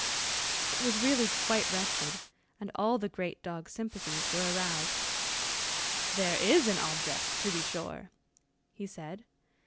It was really quite wretched, and all the great dog's sympathies were aroused. "There is an object, to be sure," he said.